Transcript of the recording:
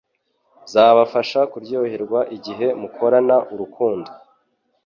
zabafasha kuryoherwa igihe mukorana urukundo